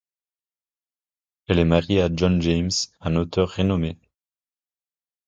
Elle est mariée à John James, un auteur renommé.